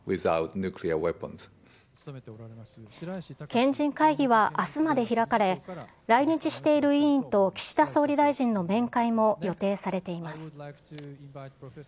賢人会議はあすまで開かれ、来日している委員と岸田総理大臣の面会も予定されています。